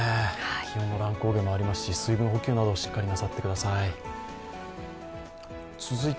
気温の乱高下もありますし、水分補給などもしっかりなさってください。